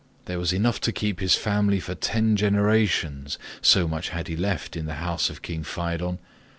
There was enough to keep his family for ten generations, so much had he left in the house of king Pheidon.